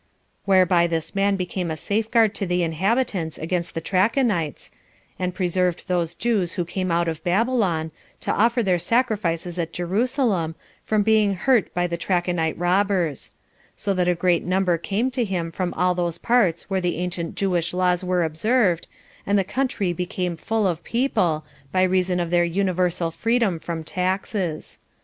Whereby this man became a safeguard to the inhabitants against the Trachonites, and preserved those Jews who came out of Babylon, to offer their sacrifices at Jerusalem, from being hurt by the Trachonite robbers; so that a great number came to him from all those parts where the ancient Jewish laws were observed, and the country became full of people, by reason of their universal freedom from taxes.